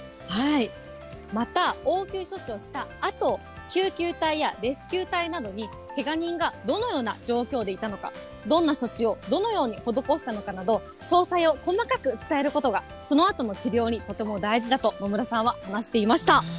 また、応急処置をしたあと、救急隊やレスキュー隊などに、けが人がどのような状況でいたのか、どんな処置をどのように施したのかなど、詳細を細かく伝えることが、そのあとの治療にとても大事だと野村さんは話していました。